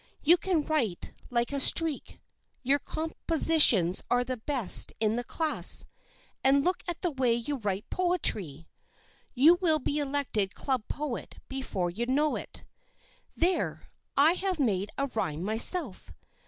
You can write like a streak. Your compositions are the best in the class. And look at the way you write poetry ! You will be elected Club Poet before you know it. There, I have made a rhyme myself.